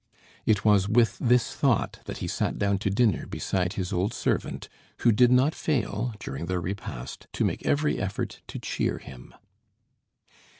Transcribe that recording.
It was with this thought that he sat down to dinner beside his old servant, who did not fail, during the repast, to make every effort to cheer him.